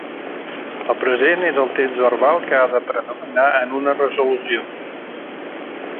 El present és el temps verbal que ha de predominar en una resolució.